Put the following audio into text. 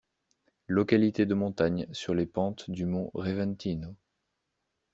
Localité de montagne sur les pentes du mont Reventino.